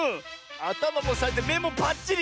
あたまもさえてめもパッチリ！